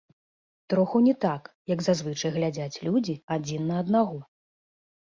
Троху не так, як зазвычай глядзяць людзі адзін на аднаго.